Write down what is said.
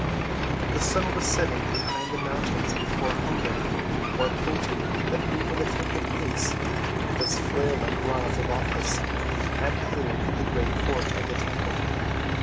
The sun was setting behind the mountains before hunger, more potent than even the temple police with its flail‐like rods of office, had cleared the great court of the temple.